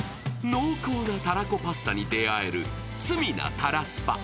濃厚なたらこパスタに出会える、罪なたらすぱ。